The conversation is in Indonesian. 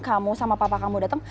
kamu sama papa kamu datang